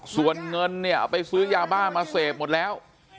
ส่วนเงินเนี่ยเอาไปซื้อยาบ้ามาเสพหมดแล้ว